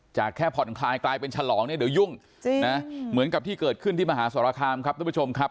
แค่ผ่อนคลายกลายเป็นฉลองเนี่ยเดี๋ยวยุ่งจริงนะเหมือนกับที่เกิดขึ้นที่มหาสรคามครับทุกผู้ชมครับ